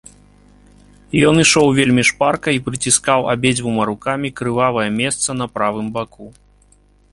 Ён ішоў вельмі шпарка і прыціскаў абедзвюма рукамі крывавае месца на правым баку.